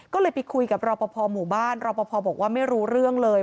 ก็เลยไปคุยกับรอปภหมู่บ้านรอปภบอกว่าไม่รู้เรื่องเลย